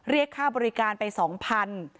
เรียกค่าบริการไป๒๐๐บาท